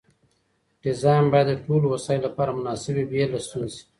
ډیزاین باید د ټولو وسایلو لپاره مناسب وي بې له ستونزې.